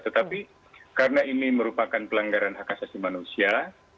tetapi karena ini merupakan pelanggaran hak asasi manusia